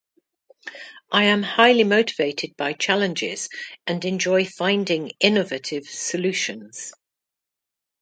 I am highly motivated by challenges and enjoy finding innovative solutions.